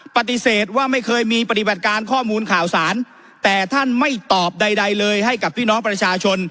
ปฏิเสธว่าไม่เคยมีปฏิบัติการข้อมูลข่าวสารแต่ท่านไม่ตอบใดเลยให้กับพี่น้องประชาชน